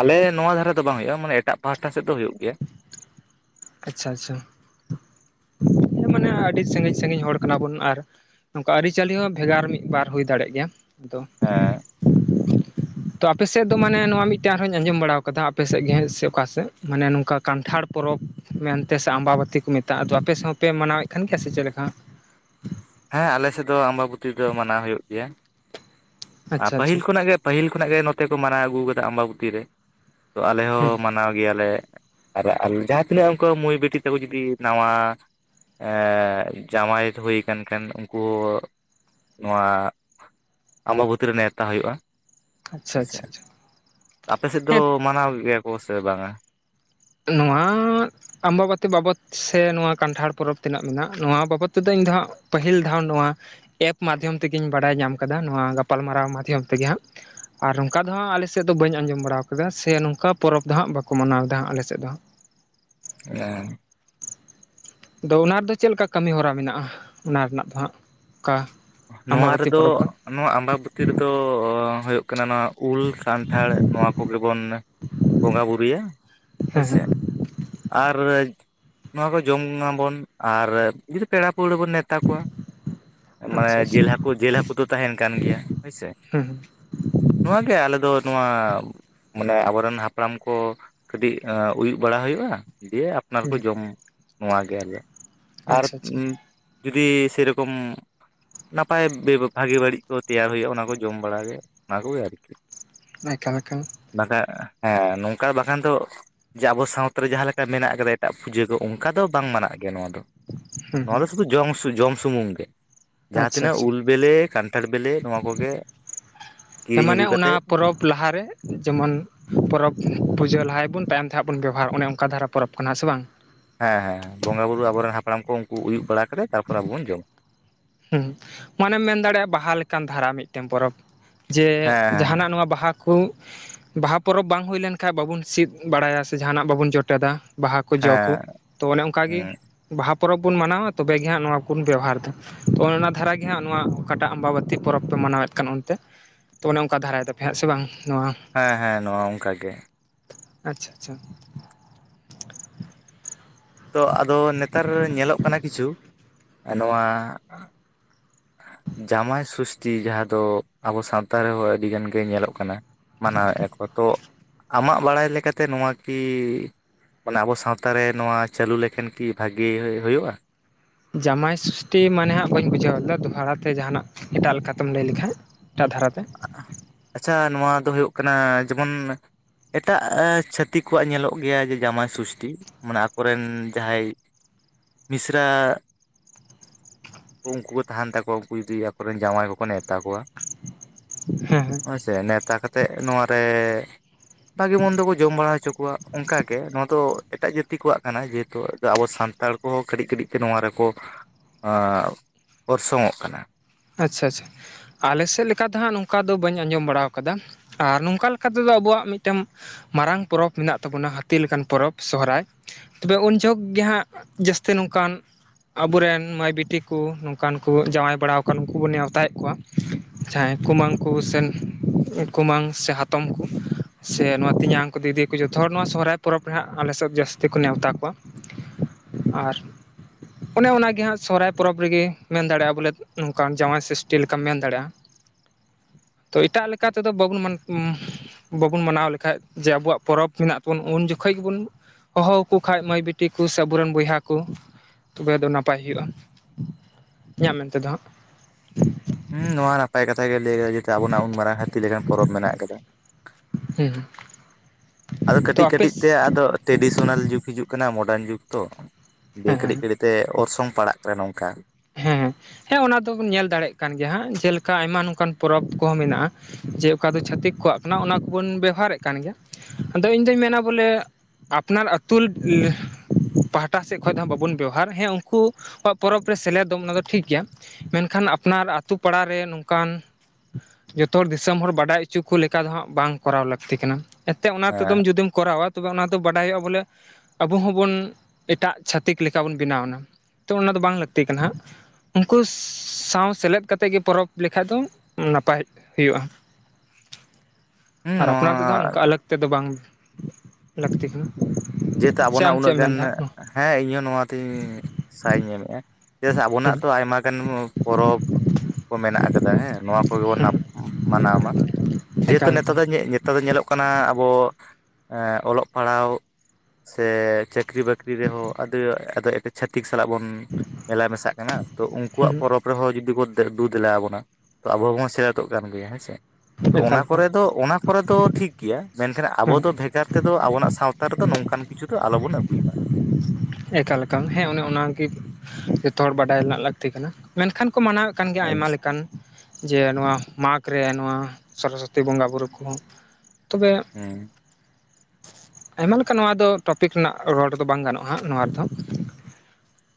[SPEAKER 1] ᱟᱞᱮ ᱱᱚᱣᱟ ᱫᱷᱟᱨᱮ ᱫᱚ ᱵᱟᱝ ᱦᱩᱭᱩᱜᱼᱟ ᱢᱟᱱᱮ ᱮᱴᱟᱜ ᱯᱟᱦᱟᱴᱟ ᱥᱮᱫ ᱫᱚ ᱦᱩᱭᱩᱜ ᱜᱮᱭᱟ
[SPEAKER 2] ᱟᱪᱪᱷᱟ ᱟᱪᱪᱷᱟ, ᱢᱟᱱᱮ ᱟᱹᱰᱤ ᱥᱟᱺᱜᱤᱧ ᱥᱟᱺᱜᱤᱧ ᱦᱚᱲ ᱠᱟᱱᱟ ᱵᱚᱱ ᱟᱨ ᱱᱚᱝᱠᱟ ᱟᱹᱨᱤᱪᱟᱹᱞᱤ ᱦᱚᱸ ᱵᱷᱮᱜᱟᱨ ᱢᱤᱫ ᱵᱟᱨ ᱦᱩᱭ ᱫᱟᱲᱮᱜ ᱜᱮᱭᱟ ᱟᱫᱚ
[SPEAKER 1] ᱦᱮᱸ
[SPEAKER 2] [inaudible] ᱛᱚ ᱟᱯᱮ ᱥᱮᱫ ᱫᱚ ᱢᱟᱱᱮ ᱱᱚᱣᱟ ᱢᱤᱫᱴᱟᱝ ᱦᱚᱸᱧ ᱟᱸᱡᱚᱢ ᱵᱟᱲᱟ ᱠᱟᱫᱟ ᱟᱯᱮ ᱥᱮᱫ ᱜᱮ ᱥᱮ ᱚᱠᱟ ᱥᱮᱫ ᱢᱟᱱᱮ ᱱᱚᱝᱠᱟ ᱠᱟᱱᱴᱷᱟᱲ ᱯᱚᱨᱚᱵᱽ ᱢᱮᱱᱛᱮ ᱥᱮ ᱟᱢᱵᱟᱵᱟᱹᱛᱤ ᱠᱚ ᱢᱮᱛᱟᱜᱼᱟ ᱟᱫᱚ ᱟᱯᱮ ᱥᱟᱣ ᱯᱮ ᱢᱟᱱᱟᱣᱮᱫ ᱠᱟᱱ ᱜᱮᱭᱟ ᱥᱮ ᱪᱮᱫ ᱞᱮᱠᱟ
[SPEAKER 1] ᱦᱮᱸ ᱟᱞᱮᱥᱮᱫ ᱫᱚ ᱟᱢᱵᱟᱵᱩᱛᱤ ᱫᱚ ᱢᱟᱱᱟᱣ ᱦᱩᱭᱩᱜ ᱜᱮᱭᱟ ᱟᱨ
[SPEAKER 2] ᱟᱪᱪᱷᱟ ᱟᱪᱪᱷᱟ
[SPEAKER 1] ᱯᱟᱹᱦᱤᱞ ᱠᱷᱚᱱᱟᱜ ᱜᱮ ᱯᱟᱹᱦᱤᱞ ᱠᱷᱚᱱᱟᱜ ᱜᱮ ᱱᱚᱛᱮ ᱠᱚ ᱢᱟᱱᱟᱣ ᱟᱹᱜᱩ ᱟᱠᱟᱫᱟ ᱟᱢᱵᱟᱵᱚᱛᱤ ᱨᱮ ᱛᱚ ᱟᱞᱮ ᱦᱚᱸ
[SPEAKER 2] ᱦᱩᱸ
[SPEAKER 1] ᱢᱟᱱᱟᱣ ᱜᱮᱭᱟᱞᱮ ᱟᱨ ᱟᱨ ᱡᱟᱦᱟᱸ ᱛᱤᱱᱟᱹᱜ ᱢᱟᱹᱭ ᱵᱤᱴᱤ ᱛᱟᱠᱚ ᱡᱩᱫᱤ ᱱᱟᱣᱟ ᱮᱸᱻ ᱡᱟᱶᱟᱭ ᱦᱩᱭ ᱟᱠᱟᱱ ᱠᱷᱟᱱ ᱩᱱᱠᱩ ᱱᱚᱣᱟ ᱟᱢᱵᱟᱵᱚᱛᱤ ᱨᱮ ᱱᱮᱣᱛᱟ ᱦᱩᱭᱩᱜᱼᱟ
[SPEAKER 2] ᱟᱪᱪᱷᱟ
[SPEAKER 1] ᱦᱳᱭ ᱥᱮ
[SPEAKER 2] ᱟᱪᱪᱷᱟ ᱟᱪᱪᱷᱟ
[SPEAKER 1] ᱟᱯᱮᱥᱮᱫ ᱫᱚ
[SPEAKER 2] ᱦᱮᱸ
[SPEAKER 1] ᱢᱟᱱᱟᱣ ᱜᱮᱭᱟ ᱠᱚ ᱥᱮ ᱵᱟᱝᱟ
[SPEAKER 2] ᱱᱚᱣᱟ ᱟᱢᱵᱟᱵᱟᱹᱛᱤ ᱵᱟᱵᱚᱛ ᱥᱮ ᱱᱚᱣᱟ ᱠᱟᱱᱴᱷᱟᱲ ᱯᱚᱨᱚᱵᱽ ᱛᱤᱱᱟᱹᱜ ᱢᱮᱱᱟᱜᱼᱟ ᱱᱚᱣᱟ ᱵᱟᱵᱚᱫ ᱛᱮᱫᱚ ᱤᱧ ᱫᱚ ᱦᱟᱸᱜ ᱯᱟᱹᱦᱤᱞ ᱫᱷᱟᱣ ᱱᱚᱣᱟ ᱮᱯ ᱢᱟᱫᱽᱫᱷᱚᱢ ᱛᱮᱜᱤᱧ ᱵᱟᱲᱟᱭ ᱧᱟᱢ ᱟᱠᱟᱫᱟ ᱱᱚᱣᱟ ᱜᱟᱯᱟᱞᱢᱟᱨᱟᱣ ᱢᱟᱫᱽᱫᱷᱚᱢ ᱛᱮᱜᱮ ᱦᱟᱸᱜ ᱟᱨ ᱱᱚᱝᱠᱟ ᱫᱚ ᱦᱟᱸᱜ ᱟᱞᱮ ᱥᱮᱫ ᱫᱚ ᱵᱟᱹᱧ ᱟᱸᱡᱚᱢ ᱵᱟᱲᱟ ᱠᱟᱫᱟ ᱥᱮ ᱱᱚᱝᱠᱟ ᱯᱚᱨᱚᱵᱽ ᱫᱚ ᱦᱟᱸᱜ ᱵᱟᱠᱚ ᱢᱟᱱᱟᱣ ᱮᱫᱟ ᱦᱟᱸᱜ ᱟᱞᱮ ᱥᱮᱫ ᱫᱚ ᱦᱟᱸᱜ
[SPEAKER 1] ᱦᱮᱸ
[SPEAKER 2] ᱫᱚ ᱚᱱᱟ ᱫᱚ ᱪᱮᱫ ᱞᱮᱠᱟ ᱠᱟᱹᱢᱤ ᱦᱚᱨᱟ ᱢᱮᱱᱟᱜᱼᱟ ᱚᱱᱟ ᱨᱮᱱᱟᱜ ᱫᱚ ᱦᱟᱸᱜ ᱚᱠᱟ
[SPEAKER 1] ᱱᱚᱣᱟ
[SPEAKER 2] ᱟᱢᱵᱟᱵᱟᱹᱛᱤ
[SPEAKER 1] ᱨᱮᱫᱚ
[SPEAKER 2] ᱯᱚᱨᱚᱵᱽ ᱠᱟᱱ
[SPEAKER 1] ᱱᱚᱣᱟ ᱟᱢᱵᱟᱵᱟᱛᱤ ᱨᱮᱫᱚ ᱦᱩᱭᱩᱜ ᱠᱟᱱᱟ ᱱᱚᱣᱟ ᱩᱞ ᱠᱟᱱᱴᱷᱟᱲ ᱱᱚᱣᱟ ᱠᱚᱜᱮ ᱵᱚᱱ ᱵᱚᱸᱜᱟ ᱵᱩᱨᱩᱭᱟ ᱦᱳᱭᱥᱮ
[SPEAKER 2] ᱦᱮᱸ
[SPEAKER 1] ᱟᱨ ᱱᱚᱣᱟ ᱠᱚ ᱡᱚᱢ ᱟᱵᱚᱱ ᱟᱨ ᱡᱩᱫᱤ ᱯᱮᱲᱟ ᱯᱟᱹᱲᱩᱣᱟᱹ ᱵᱚᱱ ᱱᱮᱶᱛᱟ ᱠᱚᱣᱟ
[SPEAKER 2] ᱦᱮᱸ
[SPEAKER 1] ᱢᱟᱱᱮ
[SPEAKER 2] ᱟᱪᱪᱷᱟ
[SPEAKER 1] ᱡᱤᱞ
[SPEAKER 2] ᱟᱪᱪᱷᱟ
[SPEAKER 1] ᱦᱟᱹᱠᱩ ᱡᱤᱞ ᱦᱟᱹᱠᱩ ᱫᱚ ᱛᱟᱦᱮᱱ ᱠᱟᱱ ᱜᱮᱭᱟ ᱦᱳᱭᱥᱮ
[SPEAKER 2] ᱦᱩᱸ
[SPEAKER 1] ᱱᱚᱣᱟᱜᱮ ᱟᱞᱮ ᱫᱚ ᱱᱚᱣᱟ ᱢᱟᱱᱮ ᱟᱵᱚᱨᱮᱱ ᱦᱟᱯᱲᱟᱢ ᱠᱚ ᱠᱟᱹᱴᱤᱡ ᱚᱭᱩᱵ ᱵᱟᱲᱟ ᱦᱩᱭᱩᱜᱼᱟ ᱫᱤᱭᱮ ᱟᱯᱱᱟᱨᱠᱚ
[SPEAKER 2] ᱦᱩᱸ
[SPEAKER 1] ᱡᱚᱢ ᱱᱚᱣᱟ ᱜᱮ ᱟᱫᱚ ᱟᱨ
[SPEAKER 2] ᱟᱪᱪᱷᱟ ᱟᱪᱪᱷᱟ
[SPEAKER 1] ᱡᱩᱫᱤ ᱥᱮᱨᱚᱠᱚᱢ ᱱᱟᱯᱟᱭ ᱵᱮ ᱵᱷᱟᱜᱤ ᱵᱟᱹᱲᱤᱡ ᱠᱚ ᱛᱮᱭᱟᱨ ᱦᱩᱭᱩᱜᱼᱟ ᱚᱱᱟ ᱠᱚ ᱡᱚᱢ ᱵᱟᱲᱟᱜᱮ ᱚᱱᱟ ᱠᱚᱜᱮ ᱟᱨᱠᱤ
[SPEAKER 2] ᱮᱠᱟᱞ ᱮᱠᱟᱞ
[SPEAKER 1] ᱵᱟᱠᱷᱟᱡ ᱦᱮᱸ ᱱᱚᱝᱠᱟ ᱵᱟᱠᱷᱟᱱ ᱫᱚ ᱡᱮ ᱟᱵᱚ ᱥᱟᱶᱛᱟ ᱨᱮ ᱡᱟᱦᱟᱸ ᱞᱮᱠᱟ ᱢᱮᱱᱟᱜ ᱟᱠᱟᱫᱟ ᱮᱴᱟᱜ ᱯᱩᱡᱟᱹ ᱠᱚ ᱚᱱᱠᱟ ᱫᱚ ᱵᱟᱝ ᱢᱟᱱᱟᱜ ᱜᱮᱭᱟ ᱱᱚᱣᱟ ᱫᱚ
[SPEAKER 2] ᱦᱩᱸ
[SPEAKER 1] ᱱᱚᱣᱟ
[SPEAKER 2] ᱦᱩᱸ
[SPEAKER 1] ᱫᱚ ᱥᱩᱫᱩ ᱡᱚᱢ ᱥᱩ ᱡᱚᱡ ᱥᱩᱢᱩᱝ ᱜᱮ ᱡᱟᱦᱟᱸ
[SPEAKER 2] ᱟᱪᱪᱷᱟ
[SPEAKER 1] ᱛᱤᱱᱟᱹᱜ
[SPEAKER 2] ᱟᱪᱪᱷᱟ
[SPEAKER 1] ᱩᱞ ᱵᱤᱞᱤ ᱠᱟᱱᱴᱷᱟᱲ ᱵᱮᱞᱤ ᱱᱚᱣᱟ ᱠᱚᱜᱮ
[SPEAKER 2] ᱦᱮᱸ
[SPEAKER 1] ᱠᱤᱨᱤᱧ ᱟᱹᱜᱩ
[SPEAKER 2] ᱢᱟᱱᱮ
[SPEAKER 1] ᱠᱟᱛᱮᱫ
[SPEAKER 2] ᱚᱱᱟ ᱯᱚᱨᱚᱵᱽ ᱞᱟᱦᱟᱨᱮ ᱡᱮᱢᱚᱱ ᱯᱚᱨᱚᱵᱽ ᱯᱩᱡᱟᱹ ᱞᱟᱦᱟᱭ ᱵᱚᱱ ᱛᱟᱭᱚᱢ ᱛᱮ ᱦᱟᱸᱜ ᱵᱚᱱ ᱵᱮᱵᱚᱦᱟᱨᱟ ᱚᱱᱮ ᱚᱱᱠᱟ ᱫᱷᱟᱨᱟ ᱯᱚᱨᱚᱵᱽ ᱠᱟᱱᱟ ᱥᱮ ᱵᱟᱝ
[SPEAKER 1] ᱦᱮᱸ ᱦᱮᱸ ᱵᱚᱸᱜᱟ ᱵᱩᱨᱩ ᱟᱵᱚᱨᱮᱱ ᱦᱟᱯᱲᱟᱢ ᱠᱚ ᱩᱱᱠᱩ ᱚᱭᱩᱜ ᱵᱟᱲᱟ ᱠᱮᱫᱟ ᱛᱟᱯᱚᱨᱮ ᱟᱵᱚ ᱵᱚᱱ ᱡᱚᱢ
[SPEAKER 2] ᱦᱚᱸ ᱢᱟᱱᱮᱢ ᱢᱮᱱ ᱫᱟᱲᱮᱭᱟᱜᱼᱟ ᱵᱟᱦᱟ ᱞᱮᱠᱟᱱ ᱫᱷᱟᱨᱟ ᱢᱤᱫᱴᱟᱹᱝ ᱯᱚᱨᱚᱵᱽ ᱡᱮ
[SPEAKER 1] ᱦᱮᱸ
[SPEAKER 2] ᱡᱟᱦᱟᱱᱟᱜ ᱱᱚᱣᱟ ᱵᱟᱦᱟ [unintelligible] ᱵᱟᱦᱟ ᱯᱚᱨᱚᱵᱽ ᱵᱟᱝ ᱦᱩᱭ ᱞᱮᱱ ᱠᱷᱟᱱ ᱵᱟᱵᱚᱱ ᱥᱤᱫ ᱵᱟᱲᱟᱭᱟ ᱥᱮ ᱡᱟᱦᱟᱱᱟᱜ ᱵᱟᱵᱚᱱ ᱡᱚᱴᱮᱫᱟ ᱵᱟᱦᱟ ᱠᱚ ᱡᱚ ᱠᱚ
[SPEAKER 1] ᱦᱮᱸ
[SPEAKER 2] ᱛᱚ ᱚᱱᱮ ᱚᱱᱠᱟᱜᱮ
[SPEAKER 1] ᱦᱮᱸ
[SPEAKER 2] ᱵᱟᱦᱟ ᱯᱚᱨᱚᱵᱽ ᱵᱚᱱ ᱢᱟᱱᱟᱣᱟ ᱛᱚᱵᱮᱜ ᱜᱮ ᱦᱟᱸᱜ ᱱᱚᱣᱟ ᱵᱚᱱ ᱵᱮᱵᱷᱨ ᱮᱫᱟ ᱚᱱ-ᱚᱱᱟ ᱫᱷᱟᱨᱟ ᱜᱮ ᱦᱟᱸᱜ ᱱᱚᱣᱟ ᱚᱠᱟᱴᱟᱜ ᱟᱢᱵᱟᱵᱟᱹᱛᱤ ᱯᱚᱨᱚᱵᱽ ᱯᱮ ᱢᱟᱱᱟᱣᱮᱫ ᱠᱟᱱ ᱚᱱᱛᱮ? ᱛᱚ ᱚᱱᱮ ᱚᱱᱠᱟ ᱫᱷᱟᱨᱟᱭ ᱛᱟᱯᱮ ᱦᱮᱸ ᱥᱮ ᱵᱟᱝ ᱱᱚᱣᱟ
[SPEAKER 1] ᱦᱮᱸ ᱦᱮᱸ ᱱᱚᱣᱟ ᱚᱝᱠᱟ ᱜᱮ᱾
[SPEAKER 2] ᱟᱪᱪᱷᱟ ᱟᱪᱪᱷᱟ᱾
[SPEAKER 1] ᱛᱚ ᱟᱫᱚ ᱱᱮᱛᱟᱨ ᱧᱮᱞᱚᱜ ᱠᱟᱱᱟ ᱠᱤᱪᱷᱩ᱾ ᱱᱚᱣᱟ- ᱡᱟᱢᱟᱭ ᱥᱚᱥᱴᱤ ᱡᱟᱦᱟᱸ ᱫᱚ ᱟᱵᱚ ᱥᱟᱶᱛᱟ ᱨᱮᱦᱚᱸ ᱟᱹᱰᱤ ᱜᱟᱱ ᱜᱮ ᱧᱮᱞᱚᱜ ᱠᱟᱱᱟ᱾ ᱢᱟᱱᱟᱣᱮᱜᱼᱟ ᱠᱚ ᱛᱚ ᱟᱢᱟᱜ ᱵᱟᱲᱟᱭ ᱞᱮᱠᱟᱛᱮ ᱱᱚᱣᱟ ᱠᱤ ᱢᱟᱱᱮ ᱟᱵᱚ ᱥᱟᱶᱛᱟ ᱨᱮ ᱱᱚᱣᱟ ᱪᱟᱹᱞᱩ ᱞᱮᱠᱷᱟᱱ ᱠᱤ ᱵᱷᱟᱜᱮ ᱦᱳᱭ-ᱦᱳᱭᱳᱜᱼᱟ?
[SPEAKER 2] ᱡᱟᱢᱟᱭ ᱥᱚᱥᱴᱤ ᱢᱟᱱᱮ ᱦᱟᱸᱜ ᱵᱟᱹᱧ ᱵᱩᱡᱷᱟᱹᱣ ᱞᱮᱫᱟ, ᱫᱚᱦᱚᱲᱟ ᱛᱮ ᱡᱟᱦᱟᱱᱟᱜ ᱮᱴᱟᱜ ᱞᱮᱠᱟᱛᱮᱢ ᱞᱟᱹᱭ ᱞᱮᱠᱷᱟᱱ᱾ ᱮᱴᱟᱜ ᱫᱷᱟᱨᱟᱛᱮ᱾
[SPEAKER 1] ᱟᱪᱪᱷᱟ, ᱱᱚᱣᱟ ᱫᱚ ᱦᱳᱭᱳᱜ ᱠᱟᱱᱟ ᱡᱮᱢᱚᱱ ᱮᱴᱟᱜ, ᱪᱷᱟᱹᱛᱤᱠ ᱠᱚᱣᱟᱜ ᱧᱮᱞᱚᱜ ᱜᱮᱭᱟ ᱡᱮ ᱡᱟᱢᱟᱭ ᱥᱩᱥᱴᱤ᱾ ᱢᱟᱱᱮ ᱟᱠᱚᱨᱮᱱ ᱡᱟᱦᱟᱸᱭ ᱢᱤᱥᱨᱟ ᱩᱱᱠᱩ ᱠᱚ ᱛᱟᱦᱮᱱ ᱛᱟᱠᱚᱣᱟ ᱩᱱᱠᱩ ᱡᱩᱫᱤ ᱟᱠᱚᱨᱮᱱ ᱡᱟᱶᱟᱭ ᱠᱚᱠᱚ ᱱᱮᱶᱛᱟ ᱠᱚᱣᱟ᱾
[SPEAKER 2] ᱦᱮᱸ ᱦᱮᱸ᱾
[SPEAKER 1] ᱥᱮ ᱱᱮᱣᱛᱟ ᱠᱟᱛᱮᱜ ᱱᱚᱣᱟᱨᱮ ᱵᱷᱟᱜᱮ ᱢᱚᱱᱫᱚ ᱠᱚ ᱡᱚᱢ ᱵᱟᱲᱟ ᱦᱚᱪᱚ ᱠᱚᱣᱟ ᱚᱱᱠᱟ ᱜᱮ ᱱᱚᱣᱟ ᱫᱚ ᱮᱴᱟᱜ ᱡᱟᱹᱛᱤ ᱠᱚᱣᱟᱜ ᱠᱟᱱᱟ ᱡᱮᱦᱮᱛᱩ ᱟᱵᱚ ᱥᱟᱱ ᱛᱟᱲ ᱠᱚᱦᱚᱸ ᱠᱟᱹᱴᱤᱡ ᱠᱟᱹᱴᱤᱡ ᱛᱮ ᱱᱚᱣᱟ ᱨᱮᱠᱚ ᱟᱸ ᱚᱨᱥᱚᱝᱚᱜ ᱠᱟᱱᱟ᱾
[SPEAKER 2] ᱟᱪᱪᱷᱟ ᱟᱪᱪᱷᱟ᱾ ᱟᱞᱮᱥᱮᱫ ᱞᱮᱠᱟ ᱛᱮ ᱦᱟᱸᱜ ᱱᱚᱝᱠᱟ ᱫᱚ ᱵᱟᱹᱧ ᱟᱸᱡᱚᱢ ᱵᱟᱲᱟᱣ ᱟᱠᱟᱫᱟ᱾ ᱟᱨ ᱱᱚᱝᱠᱟ ᱞᱮᱠᱟᱛᱮ ᱫᱚ ᱟᱵᱚᱣᱟᱜ ᱢᱤᱫᱴᱟᱝ ᱢᱟᱨᱟᱝ ᱯᱚᱨᱚᱵᱽ ᱢᱮᱱᱟᱜ ᱛᱟᱵᱚᱱᱟ ᱦᱟᱹᱛᱤ ᱞᱮᱠᱟᱱ ᱯᱚᱨᱚᱵᱽ ᱥᱚᱦᱚᱨᱟᱭ᱾ ᱛᱚᱵᱮ ᱩᱱ ᱡᱷᱚᱜ ᱜᱮ ᱦᱟᱸᱜ ᱡᱟᱹᱥᱛᱤ ᱱᱚᱝᱠᱟᱱ ᱟᱵᱚ ᱨᱮᱱ ᱢᱟᱹᱭ ᱵᱤᱴᱤ ᱠᱚ ᱱᱚᱝᱠᱟᱱ ᱠᱚ ᱡᱟᱶᱟᱭ ᱵᱟᱲᱟ ᱟᱠᱟᱱ ᱩᱱᱠᱩ ᱵᱚᱱ ᱱᱮᱶᱛᱟ ᱮᱫ ᱠᱚᱣᱟ᱾ ᱡᱟᱦᱟᱸᱭ ᱠᱩᱢᱟᱹᱝ ᱠᱚ ᱥᱮᱱ ᱠᱩᱢᱟᱹᱝ ᱥᱮ ᱦᱟᱛᱚᱢ ᱠᱚ᱾ ᱥᱮ ᱱᱚᱣᱟ ᱛᱮᱧᱟᱝ ᱠᱚ ᱫᱤᱫᱤ ᱠᱚ ᱡᱚᱛᱷᱚ ᱦᱚᱲ ᱱᱚᱣᱟ ᱥᱚᱦᱚᱨᱟᱭ ᱯᱚᱨᱚᱵᱽ ᱨᱮ ᱦᱟᱸᱜ ᱟᱞᱮ ᱥᱮᱫ ᱡᱟᱹᱥᱛᱤ ᱠᱚ ᱱᱮᱣᱛᱟ ᱠᱚᱣᱟ᱾ ᱟᱨ ᱚᱱᱮ ᱚᱱᱟ ᱜᱮ ᱦᱟᱸᱜ ᱥᱚᱨᱦᱟᱭ ᱯᱚᱨᱚᱵᱽ ᱨᱮᱜᱮ ᱢᱮᱱ ᱫᱟᱲᱮᱭᱟᱜᱼᱟ ᱵᱚᱞᱮ ᱱᱚᱝᱠᱟᱱ ᱡᱟᱢᱟᱭ ᱥᱚᱥᱴᱤᱞ ᱞᱮᱠᱟᱢ ᱢᱮᱱ ᱫᱟᱲᱮᱜᱼᱟ᱾ ᱛᱚ ᱮᱴᱟᱜ ᱞᱮᱠᱟ ᱛᱮᱫᱚ ᱵᱟᱵᱚᱱ ᱵᱟᱵᱩᱱ -ᱮᱸ ᱵᱟᱵᱚᱱ ᱢᱟᱱᱟᱣ ᱞᱮᱠᱷᱟᱱᱡ ᱡᱮ ᱟᱵᱚᱣᱟᱜ ᱯᱚᱨᱚᱵ ᱢᱮᱱᱟᱜ ᱛᱟᱵᱚᱱ ᱩᱱ ᱡᱚᱠᱷᱚᱡ ᱜᱮᱵᱚᱱ ᱦᱚᱦᱚᱣᱟ ᱠᱚ ᱠᱷᱟᱡ ᱢᱟᱹᱭ ᱵᱤᱴᱤ ᱠᱚ ᱥᱮ ᱟᱵᱩᱨᱮᱱ ᱵᱚᱭᱦᱟ ᱠᱚ᱾ ᱛᱚᱵᱮ ᱫᱚ ᱱᱟᱯᱟᱭ ᱦᱩᱭᱩᱜᱼᱟ, ᱤᱧᱟᱹᱜ ᱢᱮᱱᱛᱮ ᱫᱚ ᱦᱟᱸᱜ᱾
[SPEAKER 1] ᱦᱩᱸ ᱱᱚᱶᱟ ᱱᱟᱯᱟᱭ ᱠᱟᱛᱷᱟ ᱜᱮ ᱞᱟᱹᱭ [unintelligible] ᱥᱮ ᱟᱵᱚᱱᱟᱜ ᱩᱱ ᱢᱟᱨᱟᱝ ᱦᱟᱹᱛᱤ ᱞᱮᱠᱟᱱ ᱯᱚᱨᱚᱵᱽ ᱢᱮᱱᱟᱜ ᱟᱠᱟᱫᱟ᱾
[SPEAKER 2] ᱦᱮᱸ᱾
[SPEAKER 1] ᱟᱫᱚ ᱠᱟᱹᱴᱤᱡ ᱠᱟᱹᱴᱤᱡ ᱛᱮ ᱟᱫᱚ ᱴᱮᱰᱤᱥᱚᱱᱟᱞ ᱡᱩᱜᱽ ᱦᱤᱡᱩᱜ ᱠᱟᱱᱟ ᱢᱚᱰᱟᱨᱱ ᱡᱩᱜᱽ ᱛᱚ᱾ ᱫᱤᱭᱮ
[SPEAKER 2] ᱦᱮᱸ
[SPEAKER 1] ᱠᱟᱹᱴᱤᱡ
[SPEAKER 2] ᱦᱮᱸ
[SPEAKER 1] ᱠᱟᱹᱴᱤᱡ ᱛᱮ ᱚᱨᱥᱚᱝ ᱯᱟᱲᱟᱜ ᱠᱟᱱᱟ ᱱᱚᱝᱠᱟ᱾
[SPEAKER 2] ᱦᱮᱸᱦᱮᱸ ᱚᱱᱟ ᱫᱚᱵᱚᱱ ᱧᱮᱞ ᱫᱟᱲᱮᱜ ᱠᱟᱱ ᱜᱮᱭᱟ ᱦᱟᱸᱜ ᱡᱮᱞᱮᱠᱟ ᱟᱭᱢᱟ ᱱᱚᱝᱠᱟᱱ ᱯᱚᱨᱚᱵᱽ ᱠᱚᱦᱚᱸ ᱢᱮᱱᱟᱜᱼᱟ᱾ ᱡᱮ ᱚᱠᱟ ᱫᱚ ᱪᱷᱟᱹᱛᱤᱠ ᱠᱚᱣᱟᱜ ᱠᱟᱱᱟ ᱚᱱᱟ ᱠᱚᱵᱚᱱ ᱵᱮᱣᱦᱟᱨᱮᱫ ᱠᱟᱱ ᱜᱮᱭᱟ᱾ ᱟᱫᱚ ᱤᱧ ᱫᱩᱧ ᱢᱮᱱᱟ ᱵᱚᱞᱮ ᱟᱯᱱᱟᱨ ᱟᱹᱛᱩ ᱯᱟᱦᱴᱟ ᱥᱮᱫ ᱠᱷᱚᱡ ᱫᱚ ᱵᱟᱵᱚᱱ ᱵᱮᱣᱦᱟᱨ, ᱦᱮᱸ ᱩᱱᱠᱩ ᱠᱚᱣᱟᱜ ᱯᱚᱨᱚᱵᱽ [unintelligible] ᱥᱮᱞᱮᱫᱚᱢ ᱚᱱᱟ ᱫᱚ ᱴᱷᱤᱠ ᱜᱮᱭᱟ ᱢᱮᱱᱠᱷᱟᱱ ᱟᱯᱱᱟᱨ ᱟᱛᱳ ᱯᱟᱲᱟᱨᱮᱱ ᱱᱚᱝᱠᱟᱱ ᱡᱚᱛᱚ ᱦᱚᱲ ᱫᱤᱥᱚᱢ ᱦᱚᱲ ᱵᱟᱰᱟᱭ ᱦᱚᱪᱚ ᱠᱚ ᱞᱮᱠᱟ ᱫᱚ ᱦᱟᱸᱜ ᱵᱟᱝ ᱠᱚᱨᱟᱣ ᱞᱟᱹᱠᱛᱤ ᱠᱟᱱᱟ᱾ ᱮᱱᱛᱮ ᱚᱱᱟ ᱛᱮᱫᱚᱢ ᱡᱩᱫᱤᱢ ᱠᱚᱨᱟᱣᱟ ᱛᱚᱵᱮ ᱚᱱᱟ ᱫᱚ ᱵᱟᱰᱟᱭᱚᱜ-ᱟ ᱵᱚᱞᱮ ᱟᱵᱚ ᱦᱚᱸᱵᱚᱱ ᱮᱴᱟᱜ ᱪᱷᱟᱹᱛᱤᱠ ᱞᱮᱠᱟ ᱵᱚᱱ ᱵᱮᱱᱟᱣ ᱱᱟ᱾ ᱛᱚ ᱚᱱᱟ ᱫᱚ ᱵᱟᱝ ᱞᱟᱹᱠᱛᱤ ᱠᱟᱱᱟ ᱦᱟᱸᱜ᱾ ᱩᱱᱠᱩ ᱥᱟᱶ ᱥᱮᱞᱮᱫ ᱠᱟᱛᱮᱫ ᱜᱮ ᱯᱚᱨᱚᱵᱽ ᱞᱮᱠᱷᱟᱡ ᱫᱚ ᱱᱟᱯᱟᱭ ᱦᱩᱭᱩᱜᱼᱟ᱾
[SPEAKER 1] ᱦᱮᱸ
[SPEAKER 2] ᱟᱨ
[SPEAKER 1] ᱱᱚᱣᱟ
[SPEAKER 2] ᱟᱯᱱᱟᱨ ᱛᱮᱫᱚ ᱦᱟᱸᱜ ᱱᱚᱝᱠᱟ ᱟᱞᱟᱜ ᱛᱮᱫᱚ ᱵᱟᱝ ᱞᱟᱹᱠᱛᱤ ᱠᱟᱱᱟ᱾
[SPEAKER 1] ᱡᱮᱦᱮᱛᱚ
[SPEAKER 2] ᱥᱮ
[SPEAKER 1] ᱟᱵᱚᱱᱟᱜ
[SPEAKER 2] ᱟᱢ ᱪᱮᱫ
[SPEAKER 1] ᱩᱱᱟᱹᱜ
[SPEAKER 2] ᱮᱢ
[SPEAKER 1] ᱜᱟᱱ,
[SPEAKER 2] ᱢᱮᱱᱫᱟ ᱦᱟᱸᱜ
[SPEAKER 1] ᱦᱮᱸ ᱤᱧᱦᱚᱸ ᱱᱚᱣᱟᱛᱤᱧ ᱥᱟᱭ ᱤᱧ ᱮᱢᱮᱫᱼᱟ᱾ ᱪᱮᱫᱟᱜ ᱥᱮ
[SPEAKER 2] ᱦᱮᱸ
[SPEAKER 1] ᱟᱵᱚᱱᱟᱜ ᱛᱚ ᱟᱭᱢᱟ ᱜᱟᱱ ᱯᱚᱨᱚᱵᱽ ᱠᱚ ᱢᱮᱱᱟᱜ ᱟᱠᱟᱫᱟ ᱦᱮᱸ, ᱱᱚᱣᱟ ᱠᱚᱜᱮ ᱵᱚᱱ
[SPEAKER 2] ᱦᱮᱸ
[SPEAKER 1] ᱱᱟᱯ ᱢᱟᱱᱟᱣ ᱢᱟ᱾ ᱡᱮᱦᱮᱛᱩ
[SPEAKER 2] ᱮᱠᱟᱞ
[SPEAKER 1] ᱱᱮᱛᱟᱨ
[SPEAKER 2] ᱮᱠᱟᱞ
[SPEAKER 1] ᱫᱚ ᱧᱮ-ᱧᱮ ᱱᱮᱛᱟᱨ ᱫᱚ ᱧᱮᱞᱚᱜ ᱠᱟᱱᱟ ᱟᱵᱚ ᱚᱞᱚᱜ ᱯᱟᱲᱦᱟᱣ ᱥᱮ ᱪᱟᱹᱠᱨᱤ ᱵᱟᱹᱠᱨᱤ ᱨᱮᱦᱚᱸ ᱟᱹᱰᱤ ᱟᱫᱚ ᱮᱴᱟᱜ ᱪᱷᱟᱹᱛᱤᱠ ᱥᱟᱞᱟᱜ ᱵᱚᱱ᱾ ᱢᱮᱞᱟᱭ ᱢᱮᱥᱟᱜ ᱠᱟᱱᱟ ᱛᱚ
[SPEAKER 2] ᱦᱩᱸ
[SPEAKER 1] ᱩᱱᱠᱩᱣᱟᱜ ᱯᱚᱨᱚᱵᱽ ᱨᱮ ᱦᱚᱸ ᱡᱩᱫᱤ ᱵᱩᱱ ᱫᱮᱫᱮᱞᱟ ᱟᱵᱚᱱᱟ ᱛᱚ ᱟᱵᱚ ᱦᱚᱸᱵᱚᱱ ᱥᱮᱞᱮᱫᱚᱜ ᱠᱟᱱ ᱜᱮᱭᱟ ᱦᱮᱸᱥᱮ ᱛᱚ ᱚᱱᱟ
[SPEAKER 2] ᱮᱠᱟᱞ ᱮᱠᱟᱞ
[SPEAKER 1] ᱠᱚᱨᱮ ᱫᱚ ᱚᱱᱟ ᱠᱚᱨᱮ ᱫᱚ ᱴᱷᱤᱠ ᱜᱮᱭᱟ ᱢᱮᱱᱠᱷᱟᱱ ᱟᱵᱚ
[SPEAKER 2] ᱦᱮᱸ
[SPEAKER 1] ᱫᱚ ᱵᱷᱮᱜᱟᱨ ᱛᱮᱫᱚ ᱟᱵᱚᱱᱟᱜ ᱥᱟᱶᱛᱟ ᱨᱮᱫᱚ ᱱᱚᱝᱠᱟᱱ ᱠᱤᱪᱷᱩ ᱫᱚ ᱟᱞᱚᱵᱚᱱ ᱟᱹᱜᱩᱭ ᱢᱟ
[SPEAKER 2] ᱮᱠᱟᱞ ᱮᱠᱟᱞ ᱦᱮᱸ ᱚᱱᱮ ᱚᱱᱟᱜᱮ ᱡᱚᱛᱚᱦ ᱦᱚᱲ ᱵᱟᱰᱟᱭ ᱨᱮᱱᱟᱜ ᱞᱟᱹᱠᱛᱤ ᱠᱟᱱᱟ ᱢᱮᱱᱠᱷᱟᱱ ᱠᱚ ᱢᱟᱱᱟᱣᱮᱫ [unintelligible] ᱜᱮᱭᱟ
[SPEAKER 1] ᱦᱮᱸ
[SPEAKER 2] ᱟᱭᱢᱟ ᱞᱮᱠᱟᱱ ᱡᱮ ᱱᱚᱣᱟ ᱢᱟᱜᱽ ᱨᱮ ᱱᱚᱣᱟ ᱥᱚᱨᱚᱥᱚᱛᱤ ᱵᱚᱸᱜᱟ ᱵᱩᱨᱩ ᱠᱚᱦᱚᱸ ᱛᱚᱵᱮ
[SPEAKER 1] ᱦᱩᱸ
[SPEAKER 2] ᱟᱭᱢᱟ ᱞᱮᱠᱟ ᱱᱚᱣᱟ ᱫᱚ ᱴᱚᱯᱤᱠ ᱨᱮᱱᱟᱜ ᱨᱚᱲ ᱫᱚ ᱵᱟᱝ ᱜᱟᱱᱚᱜᱼᱟ ᱦᱟᱸᱜ ᱱᱚᱣᱟ ᱨᱮᱫᱚ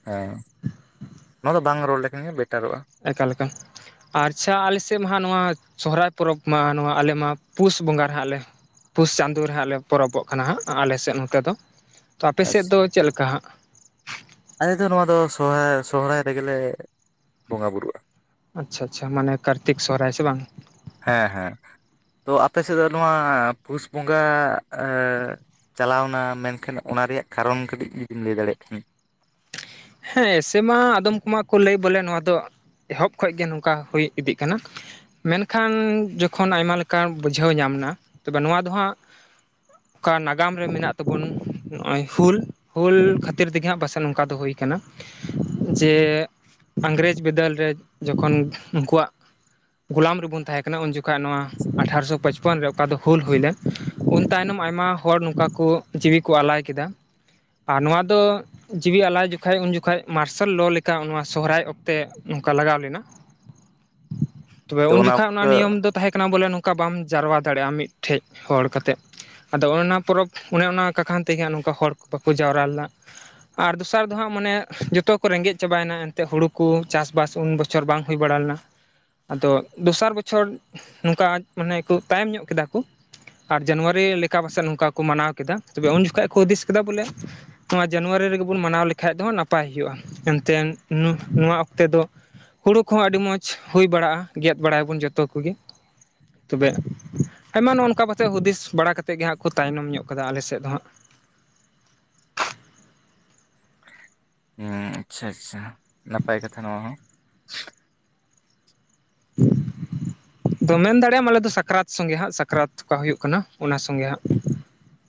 [SPEAKER 1] ᱦᱮᱸ ᱱᱚᱣᱟ ᱫᱚ ᱵᱟᱝ ᱨᱚᱲ ᱞᱮᱠᱷᱟᱱ ᱜᱮ ᱵᱮᱴᱟᱨᱚᱜᱼᱟ
[SPEAKER 2] ᱮᱠᱟᱞ ᱮᱠᱟᱞ ᱟᱪᱪᱷᱟ ᱟᱞᱮ ᱥᱮᱫ ᱢᱟ ᱦᱟᱜ ᱱᱚᱣᱟ ᱥᱚᱦᱚᱨᱟᱭ ᱯᱚᱨᱚᱵᱽ ᱢᱟ ᱱᱚᱣᱟ ᱟᱞᱮᱢᱟ ᱯᱩᱥ ᱵᱚᱸᱜᱟ ᱨᱮ ᱱᱟᱸᱜ ᱞᱮ ᱯᱩᱥ ᱪᱟᱸᱫᱳ ᱨᱮ ᱦᱟᱸᱜ ᱞᱮ ᱯᱚᱨᱚᱵᱚᱜ ᱠᱟᱱᱟ ᱦᱟᱸᱜ ᱟᱞᱮ ᱥᱮᱫ ᱱᱚᱛᱮ ᱫᱚ ᱛᱚ ᱟᱯᱮ ᱥᱮᱫ ᱫᱚ ᱪᱮᱫᱞᱮᱠᱟ ᱦᱟᱸᱜ
[SPEAKER 1] ᱟᱞᱮᱫᱚ ᱱᱚᱣᱟ ᱫᱚ ᱥᱚᱦᱚᱨᱟᱭ ᱥᱚᱨᱦᱟᱭ ᱨᱮᱜᱮᱞᱮ ᱵᱚᱸᱜᱟ ᱵᱳᱩᱨᱩᱜᱼᱟ
[SPEAKER 2] ᱟᱪᱪᱷᱟ ᱟᱪᱪᱷᱟ ᱢᱟᱱᱮ ᱠᱟᱨᱛᱤᱠ ᱥᱚᱦᱨᱟᱭ ᱥᱮ ᱵᱟᱝ
[SPEAKER 1] ᱦᱮᱸ ᱦᱮᱸ ᱛᱚ ᱟᱯᱮ ᱥᱮᱫ ᱫᱚ ᱱᱚᱣᱟ ᱯᱩᱥ ᱵᱚᱸᱜᱟ ᱪᱟᱞᱟᱣᱱᱟ ᱢᱮᱱᱠᱷᱟᱱ ᱚᱱᱟ ᱨᱮᱭᱟᱜ ᱠᱟᱨᱚᱱ ᱠᱟᱹᱴᱤᱡ ᱡᱩᱫᱤᱵᱤᱱ ᱞᱟᱹᱭ ᱫᱟᱲᱮᱭᱟᱜ ᱠᱷᱱᱟ
[SPEAKER 2] ᱦᱮᱸ ᱮᱥᱮ ᱢᱟ ᱟᱫᱚᱢ ᱠᱚᱢᱟ ᱠᱚ ᱞᱟᱹᱭ ᱵᱚᱞᱮ ᱱᱚᱣᱟ ᱫᱚ ᱮᱦᱚᱵ ᱠᱷᱚᱡ ᱜᱮ ᱱᱚᱝᱠᱟ ᱦᱩᱭ ᱤᱫᱤᱜ ᱠᱟᱱᱟ ᱢᱮᱱᱠᱷᱟᱱ ᱡᱚᱠᱷᱚᱱ ᱟᱭᱢᱟ ᱞᱮᱠᱟ ᱵᱩᱡᱷᱟᱹᱣ ᱧᱟᱢ ᱮᱱᱟ ᱛᱚᱵᱮ ᱱᱚᱣᱟ ᱫᱚ ᱦᱟᱸᱜ ᱚᱠᱟ ᱱᱟᱜᱟᱢ ᱨᱮ ᱢᱮᱱᱟᱜ ᱛᱟᱵᱚᱱ ᱱᱚᱜᱼᱚᱭ ᱦᱩᱞ ᱦᱩᱞ ᱠᱷᱟᱹᱛᱤᱨ ᱛᱮᱜᱮ ᱦᱟᱜ ᱯᱟᱥᱮᱡ ᱱᱚᱝᱠᱟ ᱫᱚ ᱦᱩᱭ ᱠᱟᱱᱟ ᱡᱮ ᱤᱝᱨᱮᱡᱽ ᱵᱤᱫᱟᱹᱞ ᱨᱮ ᱡᱚᱠᱷᱚᱱ ᱩᱱᱠᱩᱣᱟᱜ ᱜᱳᱞᱟᱢ ᱨᱮᱵᱚᱱ ᱛᱟᱦᱮᱸᱠᱟᱱᱟ ᱩᱱ ᱡᱚᱠᱷᱟᱹᱡ ᱱᱚᱣᱟ ᱟᱴᱷᱟᱨᱚᱥᱚ ᱯᱚᱪ ᱯᱚᱱ ᱨᱮ ᱚᱠᱟ ᱫᱚ ᱦᱩᱞ ᱦᱩᱭ ᱞᱮ ᱩᱱ ᱛᱟᱭᱱᱚᱢ ᱟᱭᱢᱟ ᱦᱚᱲ ᱱᱚᱝᱠᱟ ᱠᱚ ᱡᱤᱣᱤ ᱠᱚ ᱟᱞᱟᱭ ᱠᱮᱫᱟ ᱟᱨ ᱱᱚᱣᱟ ᱫᱚ ᱡᱤᱣᱤ ᱟᱞᱟᱭ ᱡᱚᱠᱷᱚᱱ ᱡᱚᱠᱷᱟ ᱩᱱ ᱡᱚᱠᱷᱟᱡ ᱢᱟᱨᱥᱟᱞ ᱞᱚ ᱞᱮᱠᱟ ᱱᱚᱣᱟ ᱥᱚᱦᱨᱟᱭ ᱚᱠᱛᱮ ᱱᱚᱝᱠᱟ ᱞᱟᱜᱟᱣ ᱞᱮᱱᱟ ᱛᱚᱵᱮ
[SPEAKER 1] ᱛᱚ
[SPEAKER 2] ᱩᱱ ᱡᱚᱠᱷᱚᱱ ᱚᱱᱟ
[SPEAKER 1] ᱚᱠᱛᱚ
[SPEAKER 2] ᱱᱤᱭᱚᱢ ᱫᱚ ᱛᱟᱦᱮᱸ ᱠᱟᱱᱟ ᱵᱚᱞᱮ ᱱᱚᱝᱠᱟ ᱵᱟᱢ ᱡᱟᱨᱣᱟ ᱫᱟᱲᱮᱭᱟᱜᱼᱟ ᱢᱤᱫᱴᱷᱮᱡ ᱦᱚᱲ ᱠᱟᱛᱮᱫ ᱟᱫᱚ ᱚᱱᱮ ᱚᱱᱟ ᱯᱚᱨᱚᱵᱽ ᱚᱱᱮ ᱚᱱᱟ ᱠᱟᱠᱷᱟᱱ ᱛᱮᱜᱮ ᱱᱚᱝᱠᱟ ᱦᱚᱲ ᱵᱟᱠᱚ ᱡᱟᱣᱨᱟ ᱞᱮᱱᱟ ᱟᱨ ᱫᱚᱥᱟᱨ ᱫᱚ ᱦᱟᱸᱜ ᱢᱟᱱᱮ ᱡᱚᱛᱚ ᱠᱚ ᱨᱮᱸᱜᱮᱡ ᱪᱟᱵᱟᱭᱮᱱᱟ ᱮᱱᱛᱮ ᱦᱩᱲᱩ ᱠᱚ ᱪᱟᱥ-ᱵᱟᱥ ᱩᱱ ᱵᱚᱪᱷᱚᱨ ᱵᱟᱝ ᱦᱩᱭ ᱵᱟᱲᱟ ᱞᱮᱱᱟ ᱟᱫᱚ ᱫᱚᱥᱟᱨ ᱵᱚᱪᱷᱚᱨ ᱱᱚᱝᱠᱟ ᱢᱟᱱᱮ ᱠᱚ ᱛᱟᱭᱚᱢ ᱧᱚᱜ ᱠᱮᱫᱟ ᱠᱚ ᱟᱨ ᱡᱟᱱᱩᱣᱟᱨᱤ ᱞᱮᱠᱟ ᱯᱟᱥᱮᱡ ᱱᱚᱝᱠᱟ ᱠᱚ ᱢᱟᱱᱟᱣ ᱠᱮᱫᱟ ᱛᱚᱵᱮ ᱩᱱ ᱡᱚᱠᱷᱟᱡ ᱠᱚ ᱦᱩᱫᱤᱥ ᱠᱮᱫᱟ ᱵᱚᱞᱮ ᱱᱚᱣᱟ ᱡᱟᱱᱩᱣᱟᱨᱤ ᱨᱮᱜᱮ ᱵᱚᱱ ᱢᱟᱱᱟᱣ ᱞᱮᱠᱷᱟᱱ ᱫᱚ ᱱᱟᱯᱟᱭ ᱦᱩᱭᱩᱜᱼᱟ ᱮᱱᱛᱮᱫ ᱱᱚᱣᱟ ᱚᱠᱛᱮ ᱫᱚ ᱦᱩᱲᱩ ᱠᱚᱦᱚᱸ ᱟᱹᱰᱤ ᱢᱚᱸᱡᱽ ᱦᱩᱭ ᱵᱟᱲᱟᱜᱼᱟ ᱜᱮᱫ ᱵᱟᱲᱟᱭᱟᱵᱚᱱ ᱡᱚᱛᱚ ᱠᱚᱜᱮ ᱛᱚᱵᱮ ᱟᱭᱢᱟ ᱱᱚᱜ ᱱᱚᱝᱠᱟ ᱯᱟᱥᱮᱫ ᱦᱩᱫᱤᱥ ᱵᱟᱲᱟ ᱠᱟᱛᱮᱫ ᱜᱮ ᱦᱟᱸᱜ ᱠᱚ ᱛᱟᱭᱱᱚᱢ ᱧᱚᱜ ᱠᱟᱫᱟᱜ-ᱟ ᱟᱞᱮ ᱥᱮᱫ ᱫᱚ ᱦᱟᱸᱜ
[SPEAKER 1] ᱦᱮᱸ ᱟᱪᱪᱷᱟ ᱟᱪᱪᱷᱟ ᱱᱟᱯᱟᱭ ᱠᱟᱛᱷᱟ ᱱᱚᱣᱟ ᱦᱚᱸ
[SPEAKER 2] [unintelligible] ᱛᱚ ᱢᱮᱱ ᱫᱟᱲᱮᱭᱟᱢ ᱟᱞᱮ ᱫᱚ ᱥᱟᱠᱨᱟᱛ ᱥᱚᱸᱜᱮ ᱦᱟᱸᱜ ᱥᱟᱠᱨᱟᱛ ᱚᱠᱟ ᱦᱩᱭᱩᱜ ᱠᱟᱱᱟ ᱚᱱᱟ ᱥᱚᱸᱜᱮ ᱦᱟᱸᱜ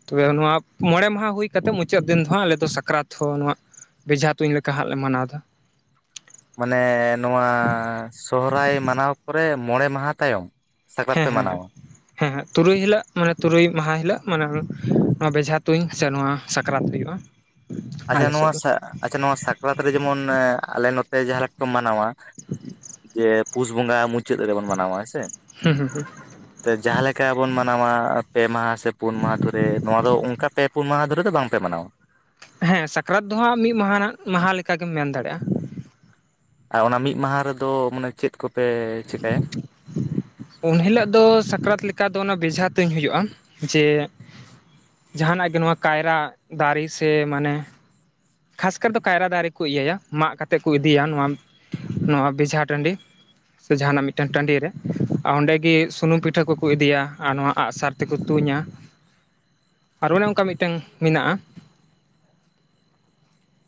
[SPEAKER 2] ᱛᱚᱵᱮ ᱱᱚᱣᱟ ᱢᱚᱬᱮ ᱢᱟᱦᱟ ᱦᱩᱭ ᱠᱟᱛᱮᱜ ᱢᱩᱪᱟᱹᱫ ᱫᱤᱱ ᱫᱚ ᱟᱞᱮ ᱫᱚ ᱥᱟᱠᱨᱟᱛ ᱦᱚᱸ ᱱᱚᱣᱟ ᱵᱮᱡᱷᱟ ᱛᱩᱧ ᱞᱮᱠᱟ ᱦᱟᱸᱜ ᱞᱮ ᱢᱟᱱᱟᱣᱫᱟ
[SPEAKER 1] ᱢᱟᱱᱮ ᱱᱚᱣᱟ ᱥᱚᱦᱨᱟᱭ ᱢᱟᱱᱟᱣ ᱯᱚᱨᱮ ᱢᱚᱬᱮ ᱢᱟᱦᱟ ᱛᱟᱭᱚᱢ ᱥᱟᱠᱨᱟᱛ
[SPEAKER 2] ᱦᱮᱸ
[SPEAKER 1] ᱯᱮ
[SPEAKER 2] ᱦᱮᱸᱮ
[SPEAKER 1] ᱢᱟᱱᱟᱣᱟ
[SPEAKER 2] ᱦᱮᱸ ᱦᱮᱸᱛᱩᱨᱩᱭ ᱦᱤᱞᱳᱜ ᱢᱟᱱᱮ ᱛᱩᱨᱩᱭ ᱢᱟᱦᱟ ᱦᱤᱞᱳᱜ ᱢᱟᱱᱮ ᱱᱚᱣᱟ ᱵᱮᱡᱷᱟ ᱛᱩᱧ ᱥᱮ ᱱᱚᱣᱟ ᱥᱟᱠᱨᱟᱛ ᱦᱩᱭᱩᱜᱼᱟ
[SPEAKER 1] ᱟᱪᱪᱷᱟ
[SPEAKER 2] ᱟᱞᱮ
[SPEAKER 1] ᱱᱚᱣᱟ
[SPEAKER 2] ᱥᱮᱫ ᱫᱚ
[SPEAKER 1] ᱟᱪᱪᱷᱟ ᱱᱚᱣᱟ ᱥᱟᱠᱨᱟᱛ ᱨᱮ ᱡᱮᱢᱚᱱ ᱟᱞᱮ ᱱᱚᱛᱮ ᱡᱟᱦᱟᱸ ᱞᱮᱠᱟ ᱠᱚ ᱢᱟᱱᱟᱣᱟ ᱡᱮ ᱯᱩᱥ ᱵᱚᱸᱜᱟ ᱢᱩᱪᱟᱹᱫ ᱨᱮᱵᱚᱱ ᱢᱟᱱᱟᱣᱟ ᱦᱮᱸᱥᱮ
[SPEAKER 2] ᱦᱩᱸ ᱦᱩᱸ ᱦᱩᱸ
[SPEAKER 1] ᱛᱮ ᱡᱟᱦᱟᱸ ᱞᱮᱠᱟ ᱵᱩᱱ ᱢᱟᱱᱟᱣᱟ ᱯᱮ ᱢᱟᱦᱟ ᱥᱮ ᱯᱩᱱ ᱢᱟᱦᱟ ᱫᱷᱚᱨᱮ ᱱᱚᱣᱟ ᱫᱚ ᱚᱱᱠᱟ ᱯᱮ ᱯᱩᱱ ᱢᱟᱦᱟ ᱫᱷᱚᱨᱮ ᱫᱚ ᱵᱟᱝ ᱯᱮ ᱢᱟᱱᱟᱣᱟ?
[SPEAKER 2] ᱦᱮᱸ ᱥᱟᱠᱨᱟᱛ ᱫᱚ ᱦᱟᱸᱜ ᱢᱤᱫ ᱢᱟᱦᱟ ᱢᱟᱦᱟ ᱞᱮᱠᱟ ᱜᱮᱢ ᱢᱮᱱ ᱫᱟᱲᱮᱭᱟᱜᱼᱟ᱾
[SPEAKER 1] ᱟᱨ ᱚᱱᱟ ᱢᱤᱫ ᱢᱟᱦᱟ ᱨᱮᱫᱚ ᱢᱟᱱᱮ ᱪᱮᱫ ᱠᱚᱯᱮ ᱪᱮᱠᱟᱹᱭᱟ
[SPEAKER 2] ᱩᱱ ᱦᱤᱞᱳᱜ ᱫᱚ ᱥᱟᱠᱨᱟᱛ ᱞᱮᱠᱟ ᱫᱚ ᱚᱱᱟ ᱵᱮᱡᱷᱟ ᱛᱩᱧ ᱦᱩᱭᱩᱜᱼᱟ ᱡᱮ ᱡᱟᱦᱟᱸᱱᱟᱜ ᱜᱮ ᱱᱚᱣᱟ ᱠᱟᱭᱨᱟ ᱫᱟᱨᱮ ᱥᱮ ᱢᱟᱱᱮ ᱠᱷᱟᱥ ᱠᱟᱨ ᱫᱚ ᱠᱟᱭᱨᱟ ᱫᱟᱨᱮ ᱠᱚ ᱤᱭᱟᱹ ᱭᱟ ᱢᱟᱜ ᱠᱟᱛᱮᱫ ᱠᱚ ᱤᱫᱤᱭᱟ ᱱᱚᱣᱟ ᱱᱚᱣᱟ ᱵᱮᱡᱷᱟ ᱴᱟᱺᱰᱤ ᱥᱮ ᱡᱟᱦᱟᱸᱱᱟᱜ ᱢᱤᱫᱴᱟᱝ ᱴᱟᱺᱰᱤᱨ ᱨᱮ ᱟᱨ ᱚᱸᱰᱮ ᱜᱮ ᱥᱩᱱᱩᱢ ᱯᱤᱴᱷᱟᱹ ᱠᱚᱠᱚ ᱤᱫᱤᱭᱟ ᱟᱨ ᱱᱚᱣᱟ ᱟᱜᱼᱥᱟᱨ ᱛᱮᱠᱚ ᱛᱩᱧᱟ ᱟᱨ ᱚᱱᱮ ᱚᱱᱠᱟ ᱢᱤᱫᱴᱟᱝ ᱢᱮᱱᱟᱜᱼᱟ᱾